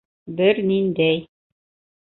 Бер ниндәй